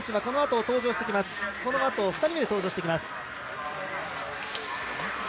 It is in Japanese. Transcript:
このあと２人目で登場してきます。